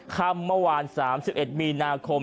คำเมื่อวาน๓๑มีนาคม